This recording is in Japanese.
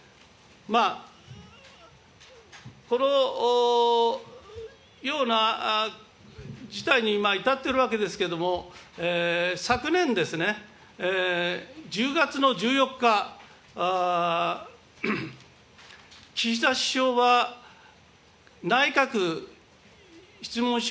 このような事態に至っているわけですけれども、昨年ですね、１０月の１４日、岸田首相は内閣質問